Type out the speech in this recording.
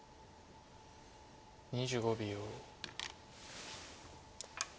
２５秒。